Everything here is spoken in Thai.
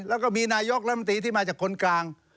แล้วก็มีนายกรัฐมนตรีที่มาจากคนกลาง